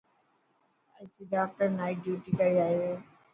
اڄ ڊاڪٽر نائٽ ڊيوٽي ڪري آيو.